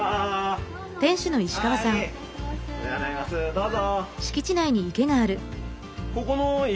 どうぞ。